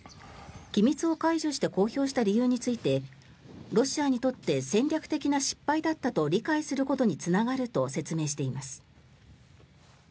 機密を解除して公表した理由についてロシアにとって戦略的な失敗だったと理解することにつながると説明しています。